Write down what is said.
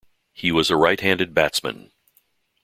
He was a right-handed batsman.